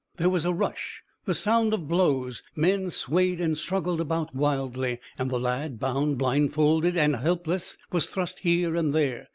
There was a rush; the sound of blows, men swayed and struggled about wildly, and the lad, bound, blindfolded, and helpless, was thrust here and there.